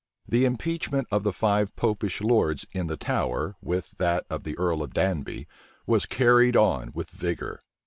The impeachment of the five Popish lords in the Tower, with that of the earl of Danby, was carried on with vigor.